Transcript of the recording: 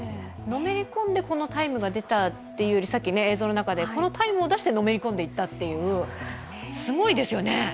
のめり込んでこのタイムが出たというより、このタイムを出してのめり込んでいったという、すごいですよね。